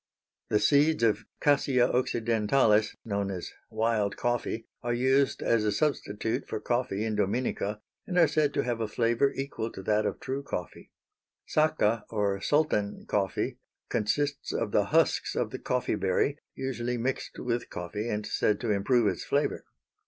The seeds of Cassia occidentalis known as "wild coffee" are used as a substitute for coffee in Dominica and are said to have a flavor equal to that of true coffee. Sacca or Sultan coffee consists of the husks of the coffee berry, usually mixed with coffee and said to improve its flavor.